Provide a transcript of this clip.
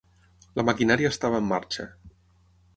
La maquinària estava en marxa.